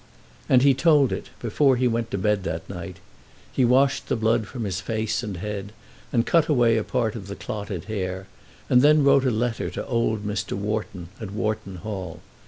And he told it, before he went to bed that night. He washed the blood from his face and head, and cut away a part of the clotted hair, and then wrote a letter to old Mr. Wharton at Wharton Hall.